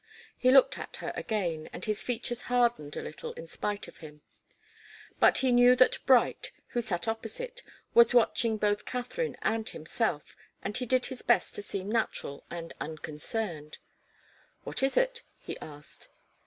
He looked at her again, and his features hardened a little in spite of him. But he knew that Bright, who sat opposite, was watching both Katharine and himself, and he did his best to seem natural and unconcerned. "What is it?" he asked.